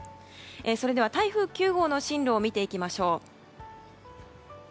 それでは台風９号の進路を見ていきましょう。